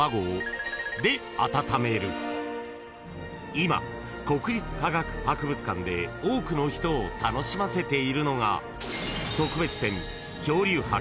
［今国立科学博物館で多くの人を楽しませているのが］